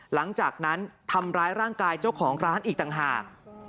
หลังจากนั้นทำร้ายร่างกายเจ้าของร้านอีกต่างหาก